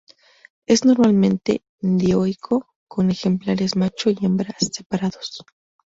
Es normalmente dioico, con ejemplares macho y hembra separados.